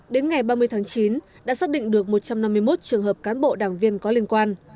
đến ngày ba mươi tháng chín đã xác định được một trăm năm mươi một trường hợp cán bộ đảng viên có liên quan